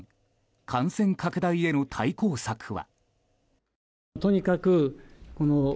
感染拡大への対抗策は。